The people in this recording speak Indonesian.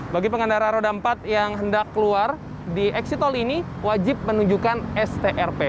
bagi pengendara roda empat yang hendak keluar di eksit tol ini wajib menunjukkan strp